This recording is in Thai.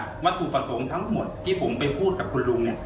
วัตถุประสงค์ทั้งหมดที่ผมไปพูดกับคุณลุงเนี่ย